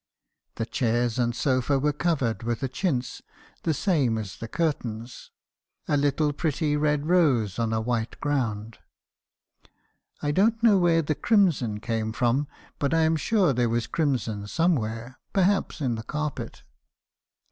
The chairs and sofa were covered with a chintz , the same as the curtains — a little pretty red rose on a white ground. I don't know where the crimson came from, but I am sure there was crimson some where; perhaps in the carpet.